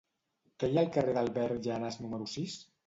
Què hi ha al carrer d'Albert Llanas número sis?